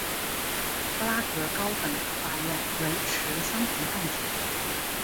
布拉格高等法院维持相同判决。